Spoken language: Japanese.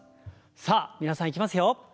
さあ皆さんいきますよ。